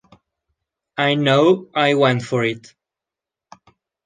I know, I went for it.